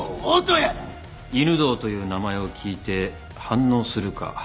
「犬堂」という名前を聞いて反応するか。